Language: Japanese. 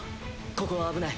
ここは危ない。